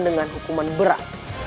dengan hukuman berat